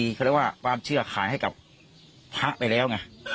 เขาเรียกว่าความเชื่อขายให้กับพระไปแล้วไง